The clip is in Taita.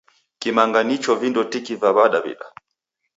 Kimanga nicho vindo tiki va Widaw'ida.